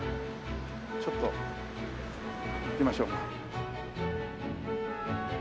ちょっと行きましょうか。